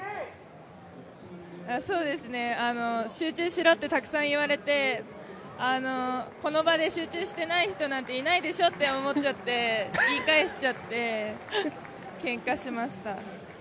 そうですね、集中しろってたくさん言われて、この場で集中してない人なんていないでしょって思って言い返しちゃって、けんかしました。